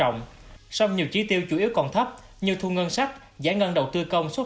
nguyễn văn nơn